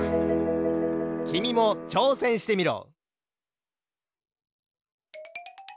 きみもちょうせんしてみろ。